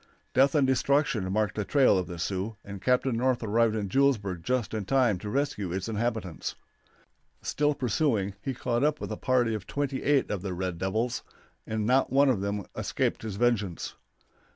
Death and destruction marked the trail of the Sioux, and Captain North arrived at Julesburg just in time to rescue its inhabitants. Still pursuing, he caught up with a party of twenty eight of the red devils, and not one of them escaped his vengeance.